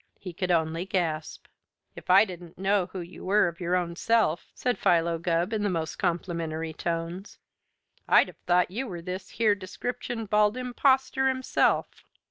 He could only gasp. "If I didn't know who you were of your own self," said Philo Gubb in the most complimentary tones, "I'd have thought you were this here descriptioned Bald Impostor himself."